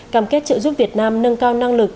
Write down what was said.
cam kết trợ giúp việt nam nâng cao năng lực